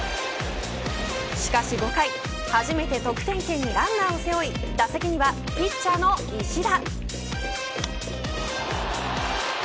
しかし５回初めて得点圏にランナーを背負い打席にはピッチャーの石田。